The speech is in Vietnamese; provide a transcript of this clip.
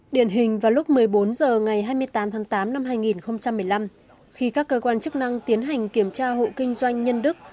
điển hình vào lúc một mươi bốn h ngày hai mươi tám tháng tám năm hai nghìn một mươi năm khi các cơ quan chức năng tiến hành kiểm tra hộ kinh doanh nhân đức